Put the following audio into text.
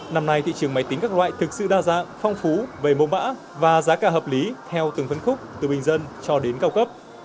năm nay thị trường máy tính các loại thực sự đa dạng phong phú về mô mã và giá cả hợp lý theo từng phân khúc từ bình dân cho đến cao cấp